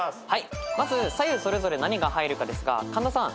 左右それぞれ何が入るかですが神田さん